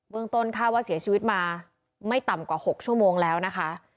เมืองต้นข้าวว่าเสียชีวิตมาไม่ต่ำกว่า๖ชั่วโมงแล้วนะคะ